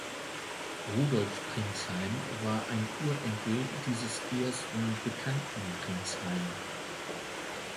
Rudolf Pringsheim war ein Urenkel dieses ersten bekannten Pringsheim.